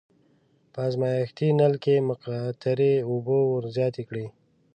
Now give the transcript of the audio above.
په ازمایښتي نل کې مقطرې اوبه ور زیاتې کړئ.